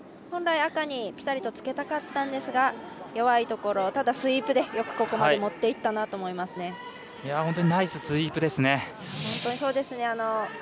本来、赤にぴたりとつけたかったんですが弱いところ、ただ、スイープでよくここまで持っていったなとナイススイープですね。